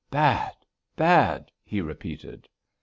"Bad! Bad!" he repeated.